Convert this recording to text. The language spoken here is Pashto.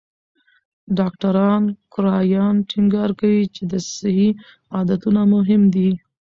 ډاکټر کرایان ټینګار کوي چې صحي عادتونه مهم دي.